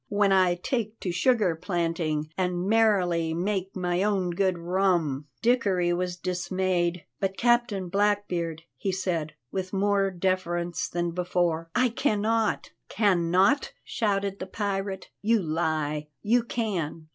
When I take to sugar planting and merrily make my own good rum!" Dickory was dismayed. "But, Captain Blackbeard," he said, with more deference than before, "I cannot." "Cannot!" shouted the pirate, "you lie, you can.